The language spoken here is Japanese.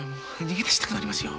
逃げ出したくなりますよ。